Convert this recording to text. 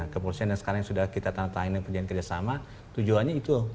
kepolisian yang sekarang sudah kita tantangkan dengan penyelidikan kerjasama tujuannya itu